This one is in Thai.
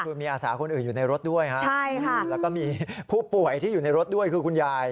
คือมีอาสาคนอื่นอยู่ในรถด้วยครับแล้วก็มีผู้ป่วยที่อยู่ในรถด้วยคือคุณยาย